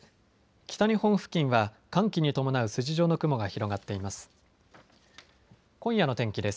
北日本付近は寒気に伴う筋状の雲が広がっています。